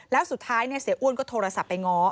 แล้วสุดท้ายเสียอ้วนก็โทรศัพท์ไปง้อ